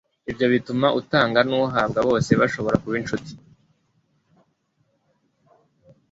Ibyo bituma utanga n'uhabwa bose bashobora kuba incuti